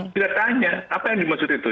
kita tanya apa yang dimaksud itu